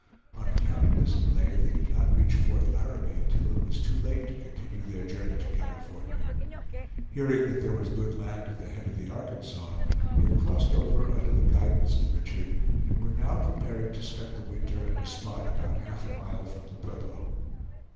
On account of this delay they did not reach Fort Laramie until it was too late to continue their journey to California. Hearing that there was good land at the head of the Arkansas, they crossed over under the guidance of Richard, and were now preparing to spend the winter at a spot about half a mile from the Pueblo.